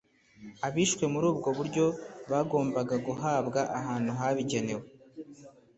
abishwe muri ubwo buryo bagombaga guhambwa ahantu habigenewe.